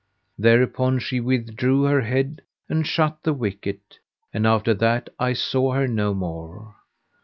Thereupon she withdrew her head and shut the wicket; and after that I saw her no more.